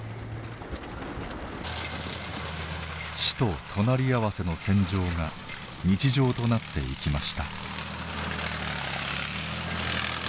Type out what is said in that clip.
死と隣り合わせの戦場が日常となっていきました。